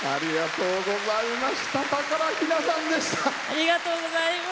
ありがとうございます。